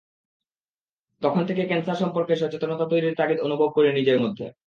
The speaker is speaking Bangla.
তখন থেকে ক্যানসার সম্পর্কে সচেতনতা তৈরির তাগিদ অনুভব করি নিজের মধ্যে।